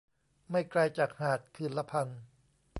ไม่ไกลจากหาดคืนละพัน